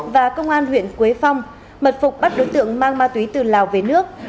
và công an huyện quế phong mật phục bắt đối tượng mang ma túy từ lào về nước